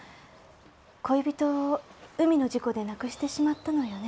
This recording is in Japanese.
恋人を海の事故で亡くしてしまったのよね？